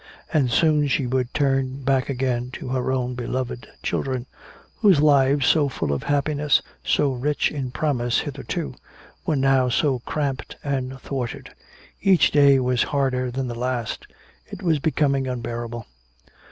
And soon she would turn back again to her own beloved children, whose lives, so full of happiness, so rich in promise hitherto, were now so cramped and thwarted. Each day was harder than the last. It was becoming unbearable!